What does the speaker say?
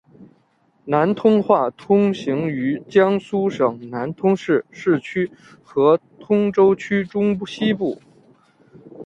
南通话通行于江苏省南通市市区和通州区中西部。